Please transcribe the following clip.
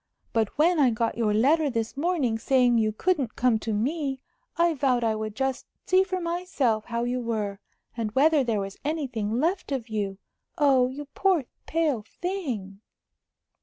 But when I got your letter this morning saying you couldn't come to me, I vowed I would just see for myself how you were, and whether there was anything left of you. Oh, you poor, pale thing!"